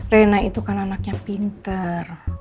rena itu kan anaknya pinter